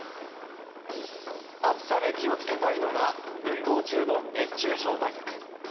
暑さで気を付けたいのが運動中の熱中症対策。